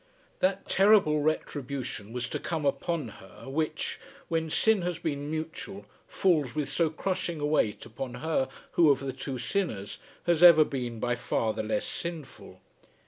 That terrible retribution was to come upon her which, when sin has been mutual, falls with so crushing a weight upon her who of the two sinners has ever been by far the less sinful.